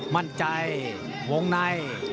มั่นใจวงใน